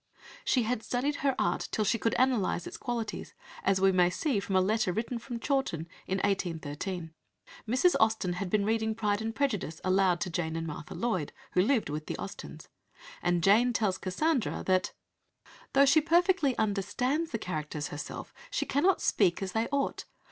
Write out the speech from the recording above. She had studied her art till she could analyze its qualities, as we may see from a letter written from Chawton in 1813. Mrs. Austen had been reading Pride and Prejudice aloud to Jane and Martha Lloyd (who lived with the Austens), and Jane tells Cassandra that "Though she perfectly understands the characters herself, she cannot speak as they ought.